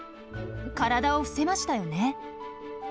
体を伏せましたよね。